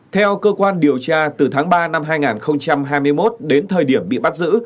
theo cơ quan điều tra từ tháng ba năm hai nghìn hai mươi một đến thời điểm bị bắt giữ